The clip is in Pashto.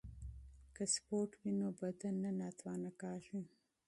که سپورت وي نو بدن نه کمزوری کیږي.